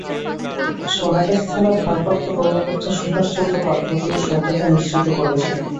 সোনাগাজী থানার ভারপ্রাপ্ত কর্মকর্তা সুভাষ চন্দ্র পাল ঘটনার সত্যতা নিশ্চিত করেছেন।